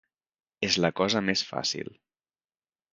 És la cosa més fàcil.